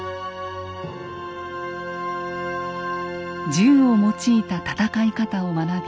銃を用いた戦い方を学び